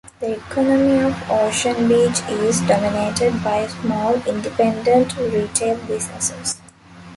The economy of Ocean Beach is dominated by small, independent retail businesses.